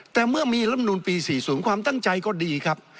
แต่เมื่อมีรำนูนปีสี่ศูนย์ความตั้งใจก็ดีครับ